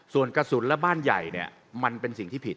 ส่วนกระสุนและบ้านใหญ่เนี่ยมันเป็นสิ่งที่ผิด